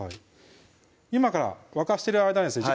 今から沸かしてる間ですね